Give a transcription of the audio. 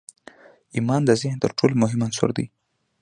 ایمان د ذهن تر ټولو مهم عنصر دی